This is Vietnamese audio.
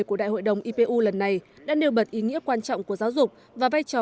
của đại hội đồng ipu lần này đã nêu bật ý nghĩa quan trọng của giáo dục và vai trò